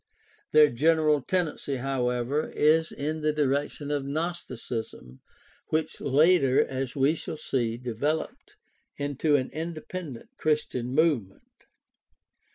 Their general tendency, however, is in the direction of Gnosticism, which later, as we shall see, developed into an independent Chris tian movement.